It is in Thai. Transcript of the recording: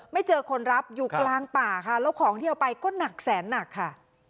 ไม่เจอคนรับอยู่กลางป่าค่ะแล้วของที่เอาไปก็หนักแสนหนักค่ะ